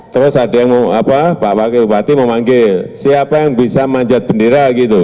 lalu ada yang mau apa bapak wakil bupati mau manggil siapa yang bisa manjat bendera gitu